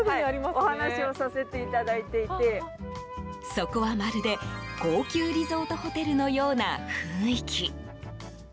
そこは、まるで高級リゾートホテルのような雰囲気。